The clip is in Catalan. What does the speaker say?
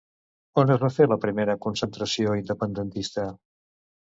On es va fer la primera concentració independentista?